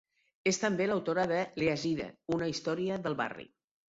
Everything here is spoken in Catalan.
És també l'autora de "Leaside", una història del barri.